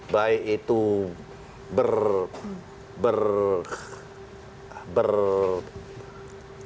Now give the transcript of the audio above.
baik itu berkembang